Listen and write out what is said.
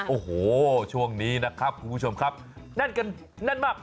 โอ้โหช่วงนี้นะครับคุณผู้ชมครับแน่นกันแน่นมาก